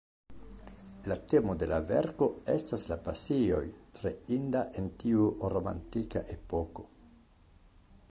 La temo de la verko estas la pasioj, tre inda en tiu romantika epoko.